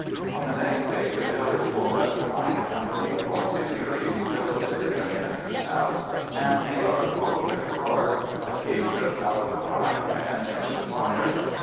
On the next day the village woke up to find a company of Auxiliaries billeted in M'Andrew's house and the yard full of their cars—a case of out of the frying pan into the fire.